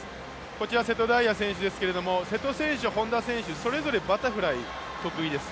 こちら瀬戸大也選手ですけれども瀬戸選手、本多選手、それぞれバタフライ得意です。